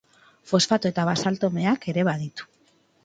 Fosfato- eta basalto-meak ere baditu.